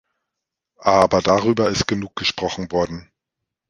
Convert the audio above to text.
Aber darüber ist genug gesprochen worden.